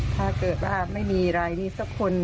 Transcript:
ถ้าเกิดว่าไม่มีรายนี้สักคน